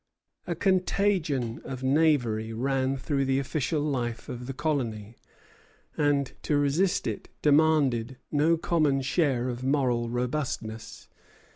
A contagion of knavery ran through the official life of the colony; and to resist it demanded no common share of moral robustness.